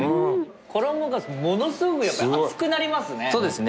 衣がものすごくやっぱり厚くなりますね